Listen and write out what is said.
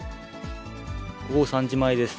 午後３時前です。